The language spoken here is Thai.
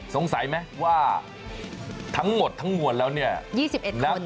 สงสัยไหมว่าทั้งหมดทั้งหมวดแล้วเนี่ย๒๑คนนะตอนนี้